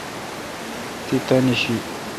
تی تانی شی۔